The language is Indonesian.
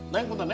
neng buntan ya